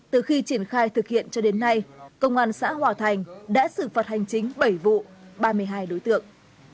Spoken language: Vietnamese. từ khi triển khai thực hiện cho đến nay công an xã hòa thành đã xử phạt hành chính bảy vụ ba mươi hai đối tượng